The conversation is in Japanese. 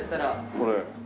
これ。